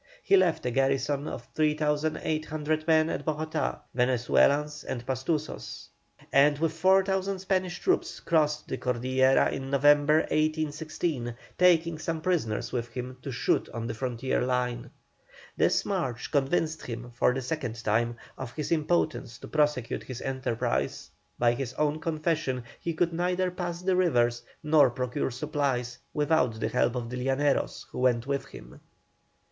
He left a garrison of 3,800 men at Bogotá, Venezuelans and Pastusos, and with 4,000 Spanish troops crossed the Cordillera in November, 1816, taking some prisoners with him to shoot on the frontier line. This march convinced him, for the second time, of his impotence to prosecute his enterprise; by his own confession, he could neither pass the rivers nor procure supplies without the help of the Llaneros who went with him.